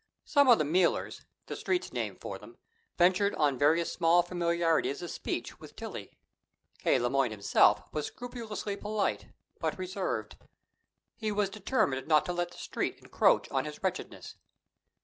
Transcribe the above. Some of the "mealers" the Street's name for them ventured on various small familiarities of speech with Tillie. K. Le Moyne himself was scrupulously polite, but reserved. He was determined not to let the Street encroach on his wretchedness.